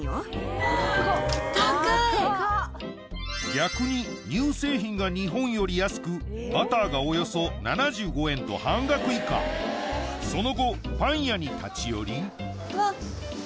逆に乳製品が日本より安くバターがおよそ７５円と半額以下その後パン屋に立ち寄りうわ。